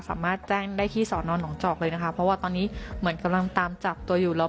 สามารถแจ้งได้ที่สอนอนหนองจอกเลยนะคะเพราะว่าตอนนี้เหมือนกำลังตามจับตัวอยู่แล้ว